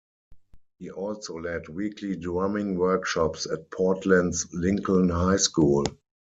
He also led weekly drumming workshops at Portland's Lincoln High School.